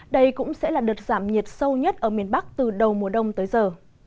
đây cũng sẽ là đợt giảm nhiệt sâu nhất ở miền bắc từ đầu mùa đông tới giờ